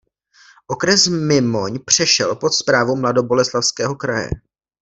Okres Mimoň přešel pod správu Mladoboleslavského kraje.